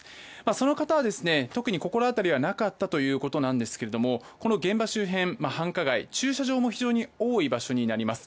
その方は特に心当たりはなかったということなんですがこの現場周辺、繁華街駐車場も非常に多い場所になります。